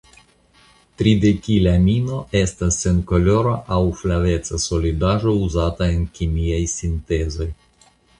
Tridekilamino estas senkolora aŭ flaveca solidaĵo uzata en kemiaj sintezoj.